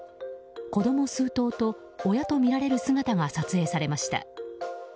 子供数頭と、親とみられる姿が撮影されました。